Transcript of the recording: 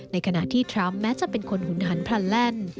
ในขณะที่ทรัมป์แม้จะเป็นคนหุนหันพลันแลนด์